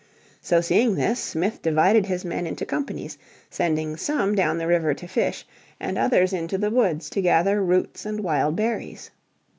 So seeing this Smith divided his men into companies, sending some down the river to fish, and others into the woods to gather roots and wild berries.